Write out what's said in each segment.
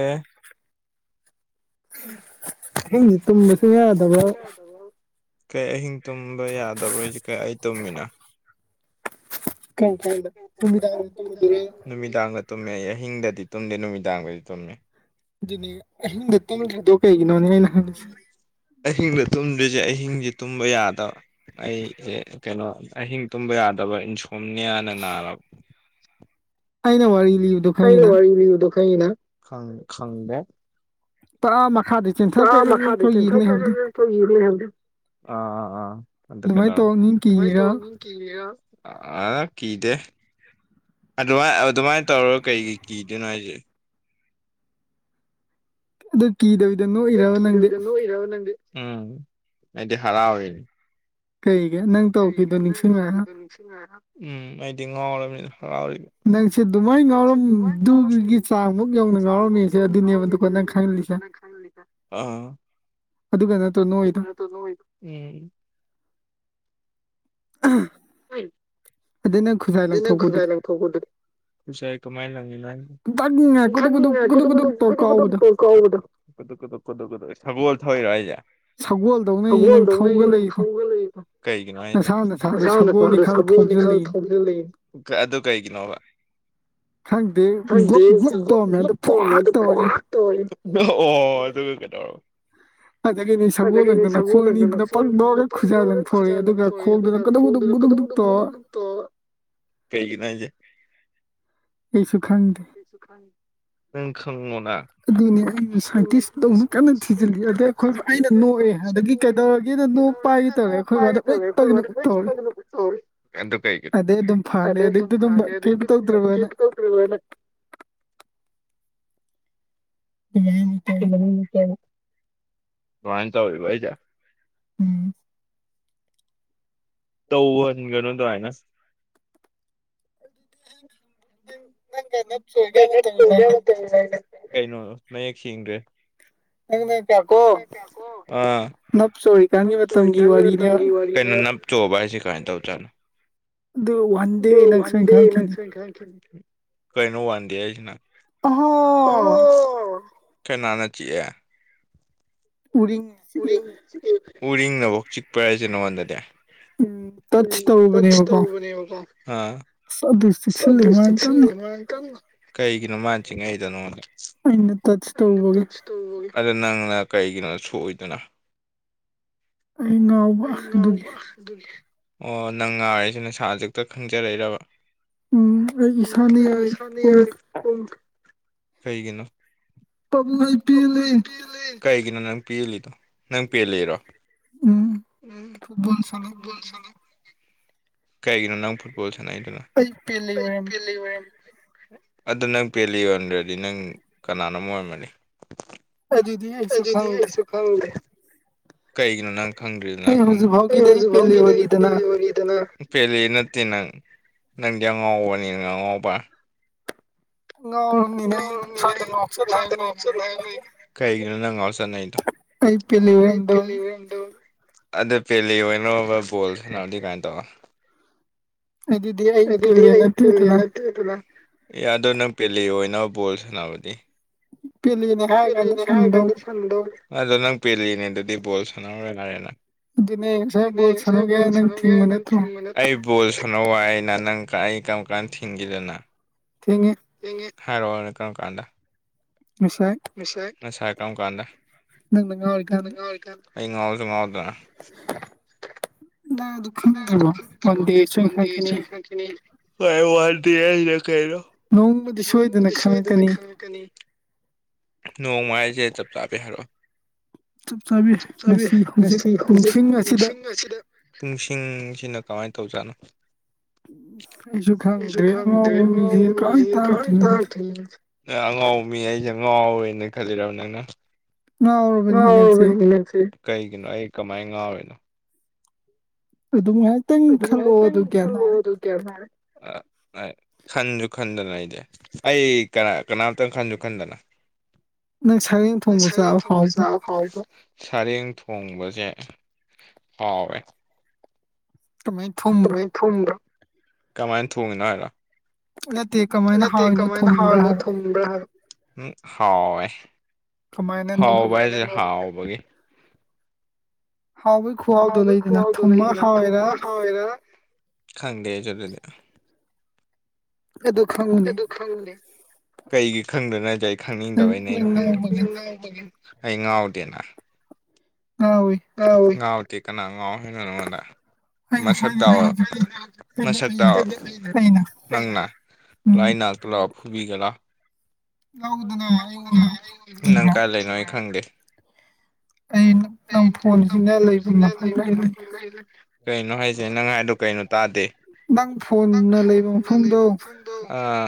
ꯑꯦ ꯍ ꯇꯨꯝꯁꯨ ꯌꯥꯗꯕꯥꯎ ꯀꯩ ꯑꯍꯤꯡ ꯇꯨꯝꯕ ꯌꯥꯗꯕꯣꯏꯁ ꯀꯩ ꯑꯩ ꯇꯨꯝꯃꯤꯅ ꯀꯔꯝ ꯀꯥꯟꯗ ꯅꯨꯃꯤꯗꯥꯡꯗ ꯇꯨꯝꯃꯨꯗꯣꯏꯔ ꯅꯨꯃꯤꯗꯥꯡꯒ ꯇꯨꯝꯃꯦ ꯑꯍꯤꯡꯗꯗꯤ ꯇꯨꯝꯗꯦ ꯅꯨꯃꯤꯗꯥꯡꯒꯗꯤ ꯇꯨꯝꯃꯦ ꯅꯦ ꯑꯍꯤꯡꯗ ꯇꯨꯝꯗ꯭ꯔꯤꯗꯣ ꯀꯩꯒꯤꯅꯣꯅꯦ ꯑꯩꯅ ꯍꯪꯁ ꯑꯍꯤꯡꯗ ꯇꯨꯝꯗ꯭ꯔꯤꯁꯦ ꯑꯍꯤꯡꯁꯦ ꯇꯨꯝꯕ ꯌꯥꯗ꯭ꯔꯦ ꯑꯩ ꯀꯩꯅꯣ ꯑꯍꯤꯡ ꯇꯨꯝꯕ ꯌꯥꯗꯕ ꯍꯨꯝꯅꯤꯌꯥꯅ ꯅꯥꯔꯕꯕ ꯑꯩꯅ ꯋꯥꯔꯤ ꯂꯤꯕꯗꯣ ꯑꯩꯅ ꯈꯪꯉꯤꯅ ꯋꯔꯤ ꯂꯤꯕꯗꯣ ꯈꯡꯉꯤꯅ ꯈꯪꯖꯦ ꯄ ꯑ ꯃꯈꯥꯗ ꯆꯦꯟꯊ ꯍꯥꯏ ꯑꯥ ꯑꯗꯥ ꯑꯗꯨꯃꯥꯏꯅ ꯇꯧꯔꯛꯅꯤ ꯀꯤꯔꯤꯔꯥ ꯀꯩꯗꯧꯔꯕ ꯑ ꯀꯤꯗꯦ ꯑꯗꯨꯃꯥꯏ ꯑꯗꯨꯃꯥꯏꯅ ꯇꯧꯔꯒ ꯀꯩꯒꯤꯩ ꯀꯤꯗꯣꯏꯅꯣ ꯍꯥꯏꯁ ꯑꯗꯨꯗ ꯀꯤꯗꯕꯗꯣ ꯑꯗꯨ ꯅꯣꯛꯢꯔꯕ ꯅꯪꯗꯦ ꯀꯤꯗꯕꯤꯗ ꯅꯣꯛꯏꯔꯕ ꯅꯪꯗꯤ ꯎꯝ ꯑꯗꯤ ꯍꯔꯥꯎ ꯔꯤꯅꯤ ꯀꯩꯒꯤ ꯅꯪ ꯇꯧꯈꯤꯕꯗꯣ ꯅꯤꯡꯁꯤꯡꯉꯒ ꯎꯝ ꯑꯩꯗꯤ ꯉꯥꯎꯅꯤꯅ ꯍꯔꯥꯎ ꯅꯪꯁꯦ ꯑꯗꯨꯃꯥꯏꯅ ꯉꯥꯎꯔꯝꯗꯨꯒꯤ ꯆꯥꯡꯃꯨꯛ ꯌꯧꯅ ꯉꯥꯎꯔꯝꯃꯤꯁꯦ ꯑꯗꯨꯅꯦꯕ ꯑꯗꯨꯒꯣ ꯅꯪ ꯈꯜꯂꯤꯁꯦ ꯑꯗꯨꯒ ꯅꯠꯇ꯭ꯔꯣ ꯎ ꯅꯣꯛꯏꯗꯣ [unintelligible] ꯎꯣꯏ ꯑꯗꯩ ꯅꯪ ꯈꯨꯖꯥꯏ ꯑꯗꯨ ꯅꯪ ꯈꯨꯟꯥꯏ ꯂꯪꯊꯣꯛꯄꯗꯨꯗꯤ ꯂꯪꯊꯣꯛꯄ ꯈꯨꯖꯥꯢ ꯀꯃꯥꯏꯅ ꯂꯪꯏꯤꯅꯣ ꯗꯛ ꯉꯥꯏ ꯒꯨꯗꯨꯛ ꯒꯨꯗꯨꯛ ꯍꯥꯏ ꯒꯨꯗꯨꯛ ꯒꯨꯗꯨꯛ ꯇꯧꯔ ꯀꯥꯎꯕꯗꯣ ꯀ ꯑꯩꯈꯣꯢꯔꯣ ꯍꯥꯢꯁꯦ ꯁꯒꯣꯜꯗꯧꯅꯅꯤ ꯅꯪ ꯁꯒꯣꯜꯗꯧꯅ ꯅꯪ ꯊꯧꯒꯠꯂꯛꯏꯗꯣ ꯊꯧꯒꯠꯂꯛꯏꯒꯤꯅꯣ ꯀꯩꯒꯤꯅꯣ ꯅꯁꯥ ꯅꯁꯥꯗꯣ ꯁꯒꯣꯜꯅꯤ ꯈꯜ ꯍꯥꯢꯁꯦ ꯊꯧꯖꯤꯜꯂꯛꯏꯅꯤ ꯑꯗꯨ ꯀꯩꯒꯤꯅꯣꯕ ꯈꯪꯗꯦ ꯍꯪꯗꯤ ꯒ꯭ꯂꯨꯞ ꯒ꯭ꯂꯨꯞ ꯇꯧꯔꯝꯃꯦ ꯑꯗꯨ ꯐ꯭ꯋꯥꯛ ꯇꯧꯔꯛꯏ ꯀꯦꯗꯔ ꯑꯗꯒꯤꯅꯦ ꯁꯒꯣꯜ ꯑꯗꯒꯤꯗꯤ ꯑꯣꯏꯅ ꯅꯈꯣꯡ ꯑꯅꯤꯗꯨꯅ ꯁꯒꯣꯜꯗꯨꯅꯈꯣꯡ ꯑꯅꯤꯗꯨꯅ ꯄꯪꯗꯧꯔꯒ ꯄ ꯈꯨꯖꯥ ꯅ ꯈꯨꯖꯥ ꯂꯪꯊꯣꯔꯛꯑꯦ ꯑꯗꯨꯒ ꯂꯪꯊꯣꯔꯛꯏ ꯈꯣꯡꯗꯨꯅ ꯑꯗꯨꯒ ꯀꯨꯗꯨꯛ ꯀꯨꯗꯨꯛ ꯈꯣꯡꯜꯗꯨꯗ ꯀꯨꯗꯨꯛ ꯀꯨꯗꯨꯛ ꯇꯧꯔ ꯨꯞꯛꯇꯣ ꯀꯩꯒꯤꯅꯦ ꯑꯩ ꯁꯨꯈꯥꯡꯗ ꯑꯩꯁꯨ ꯈꯪꯗꯦ ꯅꯪ ꯈꯪꯉꯣꯟ ꯑꯗꯨꯅꯦ ꯑꯩ ꯁꯥꯏꯟꯇꯤꯁꯇꯧꯅ ꯀꯟꯅ ꯊꯤꯖꯤꯜꯂꯤ ꯑꯗꯩ ꯑꯩꯈꯣꯏ ꯑꯩꯅ ꯅꯣꯛꯑꯦ ꯑꯗꯒꯤ ꯀꯩꯗꯧꯔꯒꯦ ꯗ ꯅꯣꯡ ꯄꯥꯏꯒꯦ ꯇꯧꯔꯦ ꯑꯩꯈꯣꯏ ꯄꯥꯏꯒꯦ ꯋꯥꯗ ꯂꯣꯏ ꯇꯧꯔꯦ ꯑꯩꯈꯣꯏ ꯇꯒꯅ ꯕꯥꯅ ꯍꯩꯠ ꯇꯧꯔꯦ ꯍꯥꯏꯗꯅ ꯇꯧꯔꯦ ꯑꯗꯨ ꯀꯩꯒꯤꯅꯣ ꯑꯗꯩ ꯑꯗꯨꯝ ꯐꯂꯦ ꯑꯗꯩ ꯑꯗꯨꯏꯗꯤ ꯑꯗꯨꯝ ꯐꯥꯅꯤ ꯀꯩꯝ ꯑꯗꯩꯗꯤ ꯑꯗꯨꯝ ꯇꯧꯗ꯭ꯔꯕꯅ ꯀꯦꯁ ꯇꯧꯈ꯭ꯔꯤꯕꯅ ꯃꯠꯇ ꯋꯥꯅ ꯇꯧꯋꯕꯗ ꯎꯝ ꯇꯧꯟꯒꯅꯣ ꯇ ꯍꯥꯏꯥꯏꯅ ꯅꯪ ꯅꯪꯒ ꯅꯞ ꯆꯣꯏꯒ ꯀ ꯃꯇꯝ ꯁꯦꯡꯗ꯭ꯔꯦ ꯅꯪꯅꯀꯣ ꯅꯞ ꯆꯣꯔꯤꯀꯥꯟꯒꯤ ꯃꯇꯝꯒꯤ ꯋꯥꯔꯤꯅꯦꯕ ꯀ ꯅꯞ ꯆꯣꯕ ꯍꯥꯏꯁꯤ ꯀꯥꯏꯅ ꯇꯧ ꯆꯥꯠꯅꯣ ꯑꯗꯨ ꯋꯥꯟ ꯟ ꯗꯦ ꯅꯪ ꯁꯣꯏꯅ ꯈꯪꯈꯤꯅꯤ ꯀꯩꯅꯣ ꯋꯥꯟ ꯗꯦ ꯍꯥꯏꯁꯤ ꯑꯣ ꯀꯅꯥꯅ ꯆꯤꯛꯑꯦ ꯎꯔꯤꯁꯤ ꯎꯔꯤꯡꯅꯐꯧ ꯆꯤꯛꯄ꯭ꯔ ꯍꯥꯏꯁꯦ ꯅꯉꯣꯟꯗꯗꯤ ꯎꯝ ꯇꯆ ꯎꯝ ꯇꯧꯔꯨꯕꯅꯦꯕꯀꯣ ꯇꯕꯨꯕꯅꯤꯕ ꯀ ꯑꯁ ꯑꯗꯨ ꯆꯤꯛꯁꯤꯜꯂꯦ ꯃꯥꯅ ꯀꯟꯅ ꯀꯩꯒꯤꯅꯣ ꯃꯥꯟꯁꯤꯉꯩꯗꯅꯣꯉ ꯏꯅ ꯇꯠ ꯇꯧꯕꯦ ꯑꯗ ꯅꯪꯅ ꯀꯩꯒꯤꯅꯣ ꯁꯣꯛꯑꯣꯏꯗꯅꯣ ꯑꯩ ꯉꯥꯎꯕ ꯑꯗꯨꯒꯤ ꯑꯗꯨꯒꯤ ꯑꯣ ꯅꯪ ꯉꯥꯏꯔꯤꯁꯤꯦ ꯅꯁꯥꯖꯤꯛꯇ ꯈꯪꯖꯔꯛꯏꯔꯕ ꯎꯝ ꯑꯩ ꯏꯁꯥꯅ ꯌꯥꯔꯦ ꯄꯨꯡ ꯎꯝꯩꯒꯤꯅ ꯄꯥꯕꯨꯡ ꯄꯦꯜꯂꯦ ꯀꯥꯏ ꯀꯅ ꯅꯪ ꯄꯤ ꯂꯩꯗ ꯅꯪ ꯄꯦꯜꯂꯤꯔꯣ ꯎꯝ ꯐꯨꯠꯕꯣꯜ ꯁꯥꯟꯅꯔꯨꯔꯒꯦ ꯀꯩꯒꯤꯅꯣ ꯅꯪ ꯐꯨꯠꯕꯣꯜ ꯁꯥꯟꯅꯩꯗꯅꯣ ꯑꯩ ꯄꯦꯜꯂꯤ ꯑꯣꯏꯔꯝꯕꯒꯤ ꯑꯗꯨ ꯅꯪ ꯄꯦꯜꯂꯤ ꯌꯣꯟꯗ꯭ꯔꯗꯤ ꯅꯪ ꯀꯅꯥꯅꯣꯝ ꯑꯣꯏꯔꯝꯃꯅꯤ ꯑꯗꯨꯗꯤ ꯑꯩꯁꯨ ꯑꯗꯨ ꯈꯪꯗꯦ ꯑꯗꯨꯗꯤꯁꯨ ꯈꯒꯦ ꯀꯩꯒꯤꯅꯣ ꯅꯪ ꯈꯪꯗ꯭ꯔꯤꯗꯅ ꯑꯩ ꯍꯧꯖꯤꯛ ꯐꯥꯎꯒꯤꯗꯤ ꯑꯩ ꯄꯦꯜꯂꯤ ꯈꯪꯉꯗ ꯑꯣꯏꯔꯤꯗꯅ ꯄꯦꯜꯂꯤ ꯅꯠꯇꯦ ꯅꯪ ꯅꯪꯗꯤ ꯑꯉꯥꯎꯕꯅꯤ ꯅꯪ ꯑꯉꯥꯎꯕ ꯉꯥꯎꯔꯕꯅꯤꯅ ꯑꯩ ꯑꯗꯨꯝ ꯁ꯭ꯋꯥꯏꯗ ꯉꯥꯎꯆꯠ ꯍꯥꯏꯔ ꯂꯩꯕꯅꯤ ꯑꯗꯨꯏꯗꯤ [unintelligible] ꯀꯩꯒꯤꯅꯣ ꯅꯪꯉ ꯆꯗꯣ ꯑ ꯄꯤ ꯑꯦꯜ ꯏꯔꯗꯣ ꯑꯗ ꯄꯦꯂꯤ ꯑꯣꯏꯅꯕ ꯕꯣꯜ ꯁꯎꯗꯤ ꯀꯃꯥꯏꯅ ꯇꯧ ꯑꯗꯨꯗꯤ ꯑꯩ ꯑꯗꯨꯗꯤ ꯄꯦꯂꯦ ꯅꯠꯇꯦꯗꯅ ꯀꯠꯇ ꯑꯦꯗꯣ ꯅꯪ ꯄꯦꯜꯂꯤ ꯑꯣꯏꯅ ꯕꯣꯜ ꯁꯥꯟꯅꯕꯅꯤ ꯄꯦꯂꯦꯅꯦ ꯍꯥꯏꯔ ꯀꯥꯟꯗ ꯍꯥꯏ ꯁꯥꯟꯅꯗꯧꯅꯤ ꯑꯗꯣ ꯅꯪ ꯄꯦꯜꯂꯤꯅꯦ ꯑꯗꯨꯗꯤ ꯕꯣꯜ ꯁꯥꯟꯅꯧꯔꯣꯏꯅꯔꯦ ꯅꯪ ꯑꯗꯨꯅꯦ ꯉꯁꯥꯏ ꯕꯣꯜ ꯁꯥꯟꯅꯒꯦ ꯍꯥꯏ ꯅꯪ ꯀꯅꯦꯁꯣꯜꯁꯅꯣꯒꯦ ꯊꯤꯡꯕ ꯅ ꯅꯠꯇ꯭ꯔꯣ ꯊꯣ ꯊꯨꯅꯋꯥꯏ ꯑꯩꯅ ꯅꯪ ꯀ ꯑꯩ ꯀꯔꯝ ꯀꯥꯟ ꯊꯤꯟꯈꯤꯗꯅ ꯊꯦꯡꯉ ꯍꯥꯏꯔ ꯋꯥꯅ ꯀꯔ ꯀꯥꯟꯗ ꯉꯁꯥꯏ ꯁ ꯉꯁꯥꯏ ꯀꯔꯝ ꯀꯥꯟꯗ ꯅꯪꯅ ꯉꯥꯎꯔꯤꯀꯥꯟꯗ ꯑꯩ ꯉꯥꯎꯁꯨ ꯉꯥꯎ ꯅꯪ ꯑꯗꯨ ꯈꯪꯗ꯭ꯔꯤꯕꯣ ꯋꯥꯟ ꯗꯦ ꯁꯣꯏ ꯋꯥ ꯗ ꯈꯪꯉꯛꯈꯤꯅꯤ ꯆ ꯀꯅꯤ ꯈꯋꯥ꯭ꯏ ꯋꯥꯗꯤꯌꯦ ꯑꯩꯅ ꯀꯩꯅꫭ ꯅꯣꯡꯃꯗꯤ ꯁꯣꯏꯗꯅ ꯅꫭꯡꯃꯗꯤ ꯁꫭꯏꯗꯅ ꯈꯪꯉꯛꯀꯅꯤ ꯈꯪꯉꯛꯀꯅꯤ ꯅꯣꯡꯃ ꯍꯥꯏꯖꯦ ꯆꯞ ꯆꯥꯕꯤ ꯍꯥꯏꯔꯛꯑꫭ ꯆꯞ ꯆꯞ ꯆꯥꯕꯤ ꯉꯁꯤ ꯍꯧꯖꯤꯛ ꯉꯁꯤ ꯍꯧꯖꯤꯛ ꯄꯨꯡꯁꯤꯡ ꯑꯁꯤꯗ ꯅꯤꯡꯁꯤꯡ ꯉꯁꯤꯗ ꯅꯤꯡꯁꯤꯡ ꯁꯤꯅ ꯀꯃꯥꯏ ꯇꯧꯖꯥꯠꯅꯣ ꯑꯩꯁꯨ ꯑꯩꯖꯨ ꯈꯪꯗ꯭ꯔꯦ ꯈꯪꯗꯦ ꯑꯉꯥꯎꯕ ꯃꯤꯁꯤ ꯕꯥꯎꯕ ꯀꯃꯥꯏ ꯃꯤꯖꯨ ꯀꯔꯤ꯭ꯝ ꯇꯥꯛꯇꯣꯏꯅꯣ ꯇꯥꯛꯇꯦ ꯅ ꯑꯉꯥꯎ ꯃꯤ ꯑꯩꯁꯦ ꯑ ꯉꯥꯎꯋꯦꯅ ꯈꯜꯂꯤꯔꯕ ꯅꯪꯅ ꯉꯥꯎꯔꯕꯅꯤ ꯅꯪꯁꯦ ꯉꯥꯎꯕꯅꯤꯅꯦ ꯅꯪꯁꯦ ꯀꯩꯒꯤꯅꯣ ꯑꯩ ꯀꯃꯥꯏ ꯉꯥꯎꯔꯤꯅꯣ ꯑꯗꯨꯝ ꯉꯥꯏꯍꯥꯛꯇꯪ ꯑꯗꯨ ꯉꯥꯛ ꯈꯜꯂꯛꯑꯣ ꯑꯗꯨ ꯒ꯭ꯌꯥꯟ ꯇꯪꯈꯜꯂꯦ ꯇꯥꯔꯅꯤ ꯑꯗꯨꯒꯥꯟ ꯇꯥꯔꯅꯤ ꯑ ꯑꯩ ꯈꯟꯖꯨ ꯈꯟꯗꯅ ꯑꯩꯗꯤ ꯑꯩ ꯀꯅꯥ ꯀꯅꯥꯝꯇꯪ ꯈꯟꯖꯨ ꯈꯟꯗꯅ ꯅꯪ ꯁꯥꯔꯦꯡ ꯅꯪ ꯊꯣꯡꯕ ꯁꯔꯦꯡ ꯆꯥꯕ ꯊꫭꯡꯕ ꯍꯥꯎꯕ꯭ꯔꯣ ꯆꯥꯕ ꯍꯥꯎꯕꯔꫭ ꯁꯔꯦꯡ ꯊꯣꯡꯕꯁꯦ ꯍꯥꯎꯋꯦ ꯀꯃꯥꯏꯅ ꯊꯨꯝꯕ꯭ꯔꯣ ꯑꯗꯨꯃꯥꯏ ꯊꯣꯡꯉꯤꯅꯣ ꯀꯃꯥꯏ ꯊꫭꯡꯉꯤꯅꫭ ꯍꯥꯏꯔꫭ ꯅꯠꯇꯦ ꯀꯃꯥꯏꯅ ꯅꯠꯇꯦ ꯍꯥꯎꯔꯤꯅꯣ ꯀꯃꯥꯏꯅ ꯊꯨꯝꯕ꯭ꯔꯥ ꯍꯥꯏꯅꯥ ꯍꯥꯏꯕ ꯊꫭꯡꯕꯔ ꯍꯥꯏꯕ ꯎꯝ ꯍꯥꯎꯋꯦ ꯀꯃꯥꯏꯅꯅꯣ ꯍꯥꯎꯕ ꯍꯥꯏꯖꯦ ꯍꯥꯎꯕꯒꯤ ꯍꯥꯎꯕꯒꯤ ꯈꯨꯍꯥꯎꯗꯣ ꯍꯥꯎꯕꯩ ꯂꯩꯗꯅ ꯈꯨꯍꯥꯎꯗꫭ ꯊꯨꯝꯃ ꯂꯩꯗꯅ ꯍꯥꯎꯋꯦꯔꯥ ꯊꯨꯝꯃ ꯍꯥꯎꯋꯤꯔ ꯈꯪꯗꯦ ꯑꯩꯖꯨ ꯑꯗꯨꯗꯤ ꯑꯗꯨ ꯈꯪꯉꯨꯅꯦ ꯑꯗꯨ ꯈꯪꯗꯦ ꯀꯩꯒꯤ ꯈꯪꯗꯅꯦꯒꯦ ꯅꯪ ꯈꯪꯅꯤꯡꯗꯕꯩꯅꯦ ꯅꯪ ꯑꯗꯨ ꯉꯥꯎꯕꯒꯤ ꯑꯗꯨ ꯉꯥꯎꯕꯒꯤ ꯑꯩ ꯉꯥꯎꯗꯦꯅ ꯉꯥꯎꯋꯤ ꯉꯥꯎꯋꯤ ꯉꯥꯎꯗꯦ ꯀꯅꯥ ꯉꯥꯎꯋꯦ ꯍꯥꯏꯅꫭ ꯅꯉꫭꯟꯗ ꯑꯩꯅ ꯃꯁꯛ ꯍꯥꯏꯗꯨꯅ ꯇꯥꯛꯑꫭ ꯍꯧꯖꯤꯛꯇꯤ ꯑꯩꯅ ꯃꯁꯛ ꯑꯩꯅ ꯇꯥꯛꯑꯣ ꯑꯩꯅ ꯅꯪꯅ ꯂꯥꯎ ꯎꯝ ꯑꯩ ꯅꯥꯛꯇꯥ ꯂꯥꯎ ꯐꯨꯕꯤꯒꯦ ꯂꯥꯎ ꯉꯥꯎꯗꯅ ꯑꯩ ꯑꯣꯏꯅ [unintelligible] ꯅꯪ ꯀꯤꯕ꯭ꯔꯥ ꯀꯥꯏ ꯂꯩꯅꫭ ꯑꯩ ꯈꯪꯗꯦ ꯑꯩ ꯑꯩ ꯅꯪ ꯐꯣꯟꯁꯤꯅ ꯂꯩꯕ ꯅꯪꯐꯣꯟꯖꯤꯅ ꯃꯐꯝꯗ ꯂꯩꯕ ꯑꯩ ꯂꯩ ꯃꯐꯝꯗ ꯑꯩꯂꯩ ꯀꯩꯅꯣ ꯍꯥꯏꯖꯦ ꯅꯪ ꯍꯥꯏꯗꯣ ꯀꯩꯅꯣ ꯇꯥꯗꯦ ꯅꯪ ꯅꯪ ꯐꯣꯟꯅ ꯂꯩꯕ ꯐꯣꯟꯅ ꯃꯐꯝꯗꯣ ꯂꯩꯕ ꯃꯐꯝꯗꯣ ꯑꯥ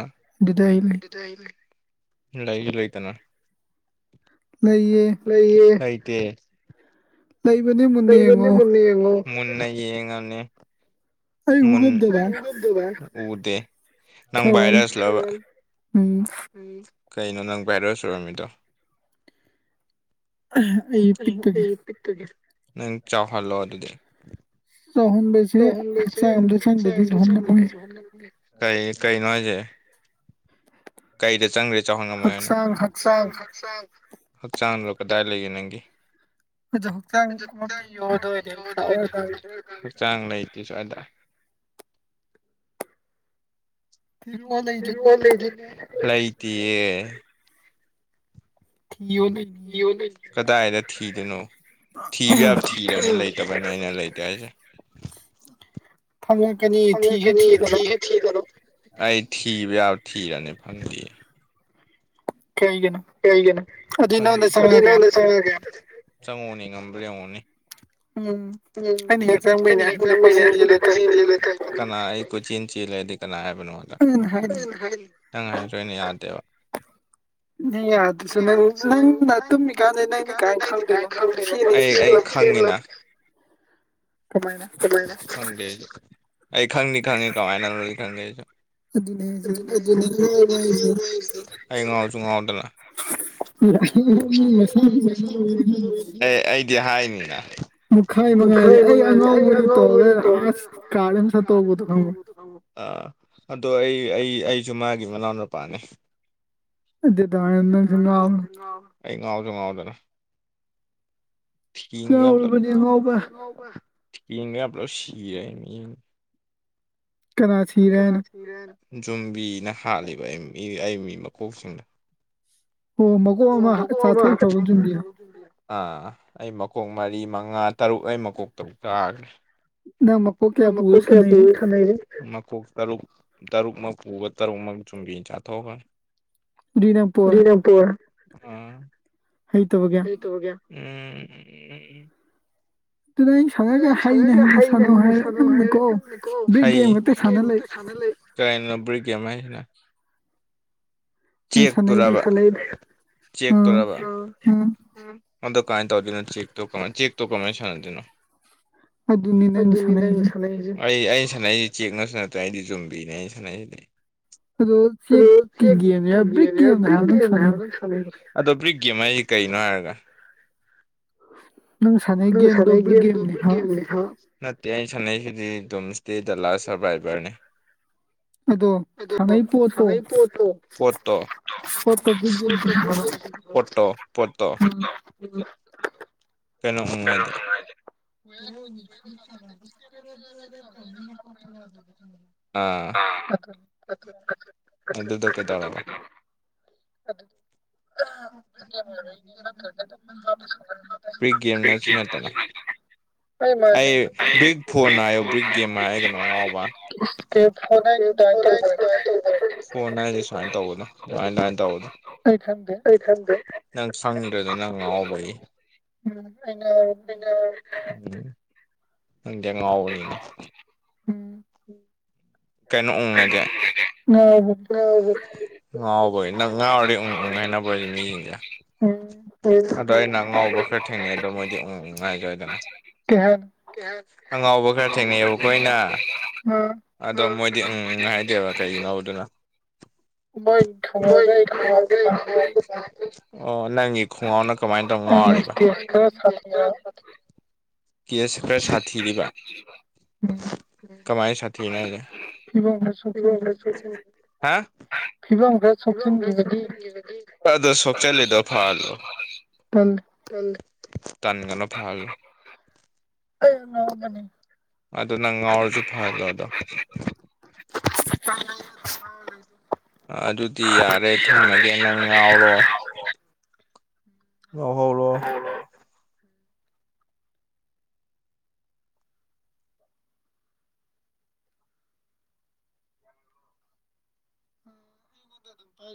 ꯑꯩ ꯂꯩ ꯑꯗꯨꯗ ꯑꯩ ꯂꯩ ꯂꯩꯖꯨ ꯂꯩꯇꯅ ꯂꯩꯌꯦ ꯂꯩꯌꯦ ꯑꯩ ꯇꯦ ꯂꯩꯕꯅꯦ ꯃꯨꯟꯅ ꯂꯩꯕꯅꯦ ꯌꯦꯡꯉꯣ ꯃꯨꯟꯅ ꯌꯦꯡꯉꯣ ꯃꯨꯟꯅ ꯌꯦꯡꯉꯕꯅꯦ ꯑꯩ ꯎ ꯃꯨꯟ ꯉꯝꯗꯕ ꯑꯩ ꯎꯐꯪꯗꯦꯕ ꯎꯗꯦ ꯅꯪ ꯈꯔ ꯋꯥꯠꯂꯤ ꯕꯥꯏ꯭ꯔꯁ ꯂꯕ ꯎꯝ ꯎꯝ ꯀꯩꯅꯣ ꯅꯪ ꯕꯥꯏ꯭ꯔꯁ ꯑꫭꯏꯔꯝꯃꯤꯗꯣ ꯑꯩ ꯑꯩꯗꫭ ꯄꯤꯛꯄꯒꯤ ꯅꯪ ꯆꯥꯎꯍꯜꯂꯣ ꯑꯗꯨꯗꯤ ꯆꯥꯎꯍꯟꯕꯁꯦ ꯆꯥꯎ ꯍꯟꯕꯖꯤ ꯍꯛꯆꯥꯡ ꯑꯝꯗ ꯆꯪꯗꯗꯤ ꯈꯤꯠꯆꯥꯝꯗꫭ ꯆꯪꯗꯔꯗꯤ ꯆꯥꯎꯍꯟꯉꯝꯃꯣꯏ ꯆꯥꯎ ꯈꯟ ꯉꯝ ꯃꫭꯏꯅꯦ ꯀꯩ ꯀꯩꯅꫭ ꯍꯥꯏꯖꯦ ꯀꯩꯗ ꯆꯪꯗꯔꯗꯤ ꯆꯥꯎꯍꯟ ꯉꯝꯃꯣꯏ ꯍꯥꯏꯅꯣꯥ ꯍꯛꯆꯥꯡ ꯍꯛꯆꯥꯡ ꯍꯛꯆꯥꯡꯗꯣ ꯀꯗꯥꯏ ꯂꯩꯒꯦ ꯅꯪꯒꯤ ꯑꯗꫭ ꯍꯛꯆꯥꯡ ꯑꯃꯨꯛꯇꯤ ꯌꫭꯜꯂꯨꯔꯗꯤ ꯑꯩ ꯆꯥꯎꯔ ꯔꫭꯏꯕ ꯑꯩ ꯍꯛꯆꯥꯡ ꯂꯩꯇꯦ ꯁꯨꯋꯥ꯭ꯏꯗ ꯊꯤꯔꯣ ꯂꯩꯔꯤꯅꯦ [unintelligible] ꯂꯩꯇꯤꯌꯦ ꯊꯤꯌꯣ ꯂꯩꯔꯤꯅꯦ ꯌꫭꯟꯕꯩꯅꯤ ꯀꯗꯥꯏꯗ ꯊꯤꯗꯣꯏꯅꯣ ꯊꯤꯕ ꯌꯥꯕ ꯊꯤꯔꯕꯅꯦ ꯂꯩꯇꯕꯩꯅꯦ ꯑꯩꯅ ꯂꯩꯇꯦ ꯍꯥꯏꯁꯦ ꯐꯪꯉꯛꯀꯅꯤ ꯐꯪ ꯉꯛ ꯊꯤꯁꯨ ꯀꯅꯤ ꯊꯤꯗꯅ ꯊꯤꯗ ꯊꯤꯖꯜꯂꫭ ꯑꯩ ꯊꯤꯕ ꯌꯥꯕꯊꯤꯔꯝꯅꯦ ꯐꯪꯗꯤꯌꯦ ꯀꯩꯒꯤꯅꯣ ꯀꯩꯒꯤꯅꫭ ꯑꯗꯨꯏ ꯐꯪ ꯅꯉꯣꯟꯗ ꯑꯗꯨꯗꯤ ꯅꯪ ꯆꯪꯉꯛꯑꯒꯦ ꯅꯁꯥꯗꫭ ꯀꯌꯥꯝ ꯐꯗꫭꯏꯅꫭ ꯆꯪꯉꯣ꯭ꯅꯦ ꯅꯝꯕꯔ ꯌꯦꯡꯉꯣꯅꯦ ꯎꯝ ꯎꯝ ꯑꯩꯅ ꯍꯦꯛ ꯑꯩꯅꯥ ꯆꯪꯕꯩꯅꯦ ꯍꯦꯛ ꯍꯦꯛ ꯑꯍꯤꯡꯗ ꯆꯪꯕꯩꯅꯦ ꯀꯣꯏꯆꯦꯟ ꯗꯨꯗ ꯆꯦꯜꯂꯦ ꯇꯧꯔꯤꯗꯣ ꯀꫭꯏꯆꯦꯟ ꯅꯪ ꯂꯤꯀꯩ ꯀꯅꯥ ꯑꯩ ꯀꯣꯏꯆꯦꯟ ꯆꯦꯜꯂꯦꯗꯤ ꯀꯅꯥ ꯍꯥꯏꯕ ꯅꯪ ꯉꫭꯟꯗ ꯑꯩꯅ ꯍꯥꯏꯔꯤꯅꯦ ꯅꯪꯅ ꯍꯥꯏꯔꯖꯨ ꯑꯩꯅ ꯌꯥꯗꯦꯕ ꯅꯪ [unintelligible] [inaudible] ꯌꯥꯗ꯭ꯔꯁꯨ ꯅꯪꯅ ꯌꯥꯗꯔꯖꯨ ꯅꯪ ꯅꯪꯅ ꯇꯨꯝꯃꯤꯀꯥꯟꯗ ꯇꯨꯝꯃꯤ ꯀꯥꯟ ꯀꯃꯥꯏꯅ ꯅꯪꯗꯤ ꯀ꯭ꯃꯥꯟ ꯈꯪꯗꯣꯏꯅꯣ ꯅꯪ ꯈꯪꯗꫭꯏꯅꫭ ꯁꯤꯅꯤ ꯑꯩ ꯑꯩ ꯈꯪꯅꯤ ꯑꯌꯥ ꯀꯃꯥꯟ ꯀꯃꯥꯏꯅ ꯈꯪꯗꯦ ꯑꯩꯖꯨ ꯑꯩ ꯈꯪꯗꯤ ꯈꯪꯉꯤ ꯀꯃꯥꯏꯅꯅꫭꯗꯤ ꯈꯪꯗꯦ ꯑꯩꯁꯨ ꯑꯗꯨꯅꯦ ꯍꯥꯏꯁꯦ ꯑꯗꯨꯅꯦ ꯏꯌꯥꯎꯕ ꯍꯥꯏꯁꯦ ꯍꯥꯏꯖꯦ [unintelligible] ꯑꯩ ꯉꯥꯎꯁꯨ ꯉꯥꯎꯗꯅ ꯃꯤ ꯃꯁꯥꯒꯤꯁꯨ ꯌꯥꯎꯋꯦꯅ ꯍꯥꯏꯔꯤꯕ ꯑꯦ ꯑꯩꯗꯤ ꯍꯥꯏꯅꯤꯅ ꯃꯨꯛꯈꯥꯏ ꯃꯉꯥꯏꯔꯦ ꯃꯈꯥꯏ ꯃꯉꯥꯏꯗꯤ ꯑꯩ ꯑꯉꯥꯎꯕꯅꯤ ꯑꯉꯥꯎꯕꯗꯤ ꯇꯧꯔꯒ ꯑꯁ ꯀꯥꯔꯗ ꯑꯃ ꯁꯠꯇꯣꯛꯄꯗꯣ ꯈꯪꯕ꯭ꯔꯥ ꯇꯣꯡꯉꯣꯡꯕꯗꯣꯃꯣ ꯑ ꯑꯗꯣ ꯑꯩ ꯑꯩ ꯑꯩꯁꯨ ꯃꯥꯒꯤ ꯃꯅꯥꯎꯅꯨꯄꯥꯅꯤ ꯗꯁꯤꯅꯔ ꯑꯩ ꯉꯥꯎꯁꯨ ꯉꯥꯎꯗꯅ ꯐꯤꯒ ꯌꯥꯝꯇꯞ ꯉꯥꯎꯔꯕꯅꯤ ꯑꯉꯥꯎꯕ ꯂ ꯁꯤ ꯌꯥ ꯃꯤ ꯀꯅꯥꯁꯤ ꯔꯦꯅ ꯌꯨꯝꯕꯤꯅ ꯍꯥꯠꯂꯤꯕ ꯑꯩ ꯃꯤ ꯃꯀꯣꯛꯁꯤꯡꯅ ꯑꯣ ꯃꯀꯣꯛ ꯑꯃ ꯆꯥꯊꯣꯛꯈ꯭ꯔꯕ ꯌꯨꯝꯕꯤꯗꯣ [unintelligible] ꯑꯥ ꯑꯩ ꯃꯀꯣꯛ ꯃꯔꯤ ꯃꯉꯥ ꯇꯔꯨꯛ ꯑꯩ ꯃꯀꯣꯛꯇꯧ ꯇꯥꯈ꯭ꯔꯦ ꯅꯪ ꯃꯀꯣꯛ ꯀꯌꯥ ꯀꯣ ꯄꯨꯔ ꯁꯥꯟꯅꯩꯅꯣ ꯀꯅ ꯇꯔꯨꯛ ꯇꯔꯨꯛꯃꯛ ꯄꯨꯕ ꯇꯔꯨꯛꯃꯛ ꯆꯨꯝꯕꯤ ꯆꯥꯊꯣꯛꯑꯒ ꯑꯗꯨꯗꯤ ꯅꯪ ꯄꯣꯔꯦ ꯅꯄꯨꯔ ꯍꯩ ꯇꯕꯒꯦ ꯑꯦ ꯑꯗꯨꯅ ꯑꯩꯅ ꯁꯥꯟꯅꯔꯒ ꯑꯗꯨ ꯁꯥꯟꯅꯒꯦ ꯍꯩꯅ ꯁꯥꯟꯅꯧ ꯍꯩꯅ ꯍꯥꯏꯔꯦ ꯁꯥꯟꯅꯧ ꯅꯪꯅꯀꯣ ꯍꯥꯏꯔꯦꯪꯀꯣ ꯕ꯭ꯔꯤꯛ ꯒꯦꯝ ꯈꯛꯇ ꯑꯗꯩ ꯁꯥꯟꯅ ꯒꯦꯝ ꯂꯩ ꯑ ꯁꯅ ꯀꯥꯏ ꯅꯕꯔꯤ ꯀꯃ ꯍꯥꯏꯁꯤꯅ ꯆ ꯅꯪ ꯁꯥꯟꯅꯩꯗꯣ ꯇꯔꯕ ꯆꯦꯛ ꯑꯥ ꯇꯔꯕ ꯑꯥ ꯀꯃꯥꯏꯅ ꯇꯧꯗꯣꯏꯅꯣ ꯆꯦꯛ ꯇꯧ ꯀꯃꯥꯏꯅ ꯆꯦꯛ ꯇꯧ ꯀꯃꯥꯏꯅꯥꯟꯅꯗꯅꯣ ꯍꯥꯏ ꯅꯪ ꯑꯗꯨꯅꯤ ꯅꯪꯅ ꯁꯥꯟꯅꯩꯁꯦ ꯁꯁ ꯁꯥꯟꯅꯩꯁꯦ ꯆꯦꯛꯉꯁꯨ ꯅꯠꯇ꯭ꯔꯦ ꯑꯩꯗꯤ ꯆꯨꯝꯗꯣꯏꯅꯦ ꯑꯩ ꯁꯥꯟꯅꯩꯁꯤꯗꯤ ꯔꯣꯜꯁꯤ ꯑꯗꯣ ꯀꯒꯅꯤ ꯆꯦꯛꯀꯤ ꯑꯗꯣ ꯭ꯔꯤꯛꯒꯦꯝ ꯍꯥꯏꯁꯤꯦ ꯀꯩꯅꯣ ꯍꯥꯏꯔꯒ ꯅꯪ ꯁꯅ ꯅꯪ ꯁꯥꯟꯅꯩ ꯒꯦꯝꯗꯣꯕ꯭ꯔ ꯒꯦꯝꯗꯣ ꯒꯦꯝꯅꯤ ꯕ꯭ꯔꯤꯛ ꯒꯦꯝꯅꯦ ꯍꯥꯏꯕ ꯅꯠꯇꯦ ꯑꯩ ꯁꯥꯟꯅꯩꯁꯤꯗꯤ ꯑꯗꯨꯝ ꯏꯁꯇꯦꯗ ꯂꯥꯁ ꯁꯔꯚꯥꯏꯚꯔꯅꯤ ꯑꯗꯨꯗ ꯑꯣ ꯍꯉꯥꯏꯠꯇꯣꯠꯇꯣ ꯄꯣꯠꯇꯣ ꯕ ꯄꯠꯇꯣ ꯄꯠꯇꯣ ꯀꯩꯅꯣ ꯅꯨꯡꯉꯥꯏꯗꯦ ꯑ ꯑꯗꯨꯗ ꯀ ꯇꯔꯕꯥ ꯀꯦꯅꯦ ꯅꯦ ꯑꯗꯨ ꯁ ꯕ꯭ꯔꯤꯛ ꯒꯦꯝꯅꯁꯨ ꯅꯠꯇꯅ ꯀ ꯀꯁꯨꯥꯏꯅꯦꯦ ꯑꯩ ꯕ꯭ꯔꯤꯛ ꯐꯣꯟ ꯍꯥꯏꯌꯣ ꯑꯩ ꯕ꯭ꯔꯤꯛ ꯒꯦꯝ ꯍꯥꯏꯔ ꯃꯥꯅꯦꯦ ꯐ ꯐꯣꯔ ꯅꯥꯏꯟꯁ ꯁꯨꯃꯥꯏꯅ ꯇꯧꯕꯗꯣ ꯁꯨꯃꯥꯏ ꯅꯥꯥꯏꯅ ꯇꯧꯕꯗꯣ ꯑꯩ ꯈꯪꯗꯦ ꯑꯩ ꯊꯪꯗ ꯅꯪ ꯁꯪꯗ꯭ꯔꯗ ꯅꯪ ꯉꯥꯎꯕꯒꯤ ꯎꯝ ꯑꯩ ꯉꯥꯎꯔꯕꯅꯤ ꯎꯝ ꯅꯪꯗꯤꯦ ꯉꯥꯎꯕꯅꯤꯅꯦ ꯎꯝ ꯀꯩꯅꯩꯅꯣ ꯎꯉꯦꯖꯦ ꯉꯥꯎꯔꯕꯅꯤ ꯉꯥꯎꯕꯒꯤ ꯅꯪ ꯉꯥꯎꯗꯤ ꯉꯥꯏꯅꯕꯁ ꯃꯤꯁꯤꯡꯁꯦ ꯎꯝ ꯑꯗꯣ ꯑꯩꯅ ꯑ ꯉꯥꯎꯕ ꯈꯔ ꯊꯦꯡꯅꯩ ꯑꯗꯣ ꯃꯣꯏꯗꯤ ꯎ ꯉꯥꯏꯖꯣꯏꯗꯅ ꯀꯩ ꯍꯥꯏꯅꯣ ꯑꯉꯥꯎꯕ ꯈꯔ ꯊꯦꯡꯅꯩꯑꯕꯈꯣꯏꯅ ꯎꯝ ꯑꯗꯣ ꯃꯣꯏꯗꯤ ꯎꯝ ꯉꯥꯏꯗꯦꯕ ꯀꯩꯒꯤꯅꯣ ꯑꯗꯨꯅ ꯃꯣꯏ ꯈꯣꯡꯒ꯭ꯔꯥꯎꯒ ꯑꯩ ꯈꯣꯡꯒ꯭ꯔꯥꯎꯒ ꯃꯥꯟꯅꯗꯦ ꯑꯣ ꯅꯪꯉꯤ ꯈꯨꯡꯒꯥꯎꯅ ꯀꯃꯥꯏꯅ ꯇꯧ ꯑꯩꯅ ꯉꯥꯎꯔꯤꯕ ꯏꯁꯇꯦꯖ ꯈꯔ ꯁꯥꯊꯤꯔꯕ ꯀꯦꯁ ꯈꯔ ꯁꯥꯊꯤꯔꯤꯕ ꯎꯝ ꯀꯃꯥꯏꯅ ꯁꯥꯊꯤꯔꯤꯅꯣ ꯍꯥꯏꯁꯦ ꯐꯤꯕꯝ ꯈꯔ ꯏꯕꯨ ꯁꯣꯛꯆꯤꯟꯈꯤꯕ ꯐꯤꯕꯝ ꯈꯔ ꯁꯣꯛꯆꯤꯟꯈꯤꯕꯒꯤ ꯑꯗꯨꯣ ꯁꯣꯛꯆꯜꯂꯤꯗꯣ ꯐꯍꯜꯂꯣ ꯇꯜꯂꯤ ꯍ ꯇꯅꯤꯒꯅꯅ ꯐꯜ ꯑ ꯃꯅꯤ ꯑꯗꯨ ꯅꯪ ꯉꯥꯎꯔꯁꯨ ꯐꯗꯣ ꯑꯗꯣ ꯑꯩꯉꯣꯟꯗ ꯑꯗꯨꯗꯤ ꯌꯥꯔꯦ ꯊꯝꯃꯒꯦ ꯅꯪ ꯉꯥꯎꯔꯣ ꯉꯧꯍꯧꯔꯣ ꯎ